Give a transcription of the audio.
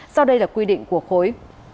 do đây là quy định của khối